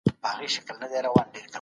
که مطالعه ونه کړې نظر دې نه منل کيږي.